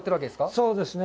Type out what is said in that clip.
そうですね。